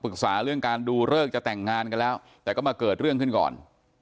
เรื่องการดูเลิกจะแต่งงานกันแล้วแต่ก็มาเกิดเรื่องขึ้นก่อน